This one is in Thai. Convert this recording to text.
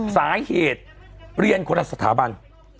สาเหตุเรียนคนละสถาบัน